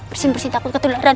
bersin bersin takut ketularan